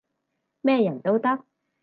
咩人都得